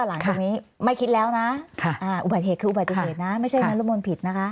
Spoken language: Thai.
หลังจากนี้ไม่คิดแล้วนะอุบัติเหตุคืออุบัติเหตุนะไม่ใช่นรมนต์ผิดนะคะ